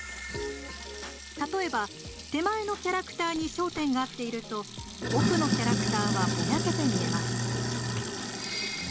例えば、手前のキャラクターに焦点が合っていると奥のキャラクターはぼやけて見えます。